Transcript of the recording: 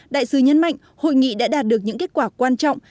đại sứ nhấn mạnh hội nghị đã đạt được những kết quả quan trọng